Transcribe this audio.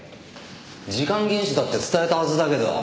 時間厳守だって伝えたはずだけど。